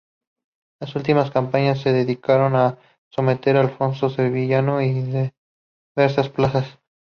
Las últimas campañas se dedicaron a someter el alfoz sevillano y diversas plazas.